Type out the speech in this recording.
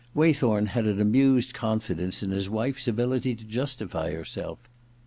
Waythorn had an amused confidence in his wife's ability to justify herself.